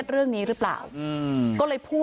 เชิงชู้สาวกับผอโรงเรียนคนนี้